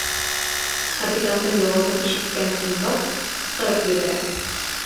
Капитандың яуабын ишеткән Синдбад ҡысҡырып ебәрә: